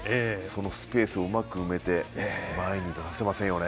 そのスペースをうまく埋めて前に出させませんよね。